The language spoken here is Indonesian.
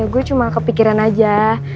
gue cuma kepikiran aja